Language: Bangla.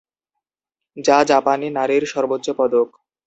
যা জাপানী নারীর সর্বোচ্চ পদক।